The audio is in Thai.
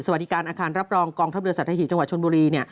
สวัสดีการอาคารรับรองกองทัพเรือสัตหีบจังหวัดชนบุรี